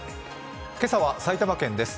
今朝は埼玉県です。